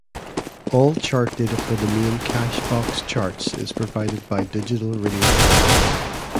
All chart data for the main "Cashbox" charts is provided by Digital Radio Tracker.